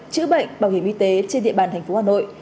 chữ bệnh bảo hiểm y tế trên địa bàn tp hà nội